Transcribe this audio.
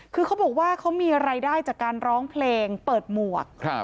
คือเขาบอกว่าเขามีรายได้จากการร้องเพลงเปิดหมวก